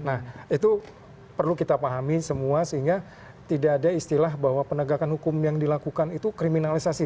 nah itu perlu kita pahami semua sehingga tidak ada istilah bahwa penegakan hukum yang dilakukan itu kriminalisasi